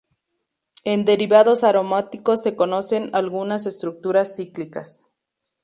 En derivados aromáticos se conocen algunas estructuras cíclicas.